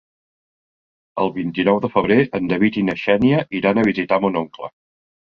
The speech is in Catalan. El vint-i-nou de febrer en David i na Xènia iran a visitar mon oncle.